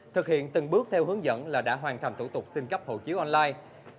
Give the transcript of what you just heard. thực hiện từng bước theo hướng dẫn là đã hoàn thành thủ tục xin cấp hộ chiếu online